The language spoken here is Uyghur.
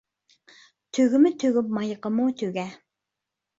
تۆگىمۇ تۆگە، مايىقىمۇ تۆگە.